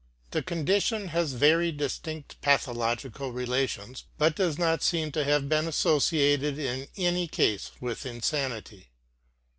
The condi tion has very distinct pathological relations, but does not seem to have been associated in any case with insanity.